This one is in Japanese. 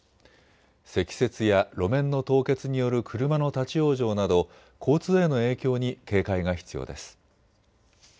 積雪や路面の凍結による車の立往生など交通への影響に警戒が必要です。